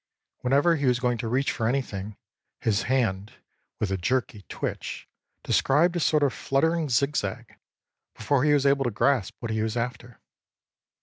Whenever he was going to reach for anything, his hand, with a jerky twitch, described a sort of fluttering zig zag, before he was able to grasp what he was after.